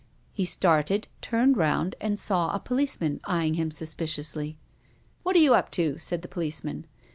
He started, turned round, and saw a policeman eyeing him suspiciously. " What are you up to?" said the policeman.